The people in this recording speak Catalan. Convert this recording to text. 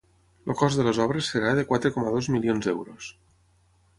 El cost de les obres serà de quatre coma dos milions d’euros.